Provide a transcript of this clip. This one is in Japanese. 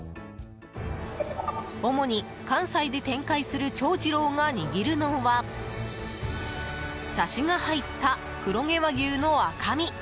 主に関西で展開するＣＨＯＪＩＲＯが握るのは差しが入った黒毛和牛の赤身！